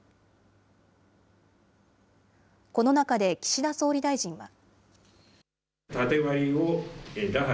この中で岸田総理大臣は。